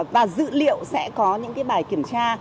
và dự liệu sẽ có những bài kiểm tra